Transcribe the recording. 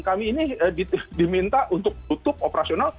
kami ini diminta untuk tutup operasional